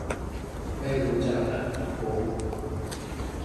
ไม่รู้จักอ่ะ โบ